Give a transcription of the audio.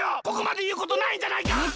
ここまでいうことないじゃないか！